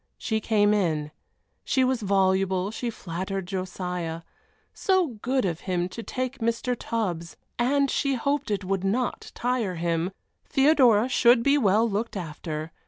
She came in. She was voluble, she flattered Josiah. So good of him to take Mr. Tubbs and she hoped it would not tire him. Theodora should be well looked after.